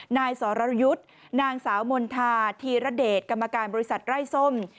นายสรยุทธ์นางสาวมณฑาธีรเดชกรรมการบริษัทไร้ส้ม